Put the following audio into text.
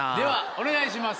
お願いします。